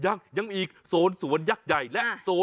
แก้ปัญหาผมร่วงล้านบาท